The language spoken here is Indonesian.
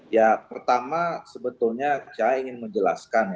ya pertama sebetulnya saya ingin menjelaskan